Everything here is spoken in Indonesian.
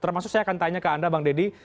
termasuk saya akan tanya ke anda bang deddy